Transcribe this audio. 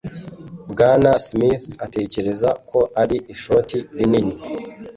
Bwana Smith atekereza ko ari ishoti rinini.